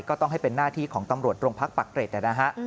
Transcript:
ก็ต้องให้เป็นหน้าที่ของตำรวจโรงพักปักเกร็ดนะฮะ